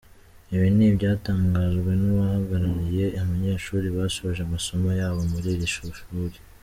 Ibi ni ibyatangajwe n’uwahagarariye abanyeshuri basoje amasomo yabo muri iri shuri.